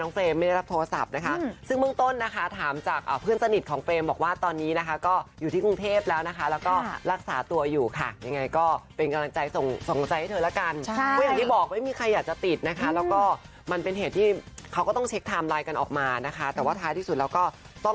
น้องเฟรมไม่ได้รับโทรศัพท์นะคะซึ่งแม่งต้นนะคะถามจากเพื่อนสนิทของเฟรมซ์บอกว่าตอนนี้นะคะก็